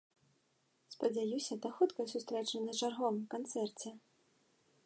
Спадзяюся, да хуткай сустрэчы на чарговым канцэрце!